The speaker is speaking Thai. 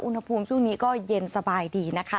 อุณหภูมิช่วงนี้ก็เย็นสบายดีนะคะ